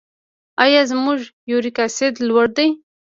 ایا زما یوریک اسید لوړ دی؟